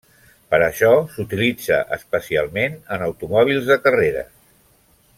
Per això s'utilitza especialment en automòbils de carreres.